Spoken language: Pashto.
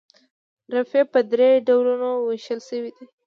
رافعې په درې ډولونو ویشل شوي دي.